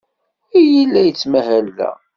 Yella yettmahal da.